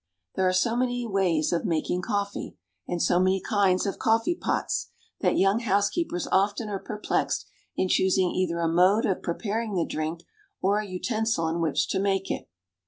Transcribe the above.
There are so many ways of making coffee, and so many kinds of coffee pots, that young housekeepers often are perplexed in choosing either a mode of preparing the drink or a utensil in which to make it.